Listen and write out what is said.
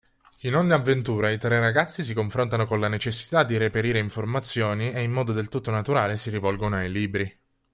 In ogni avventura i tre ragazzi si confrontano con la necessità di reperire informazioni e in modo del tutto naturale si rivolgono ai libri.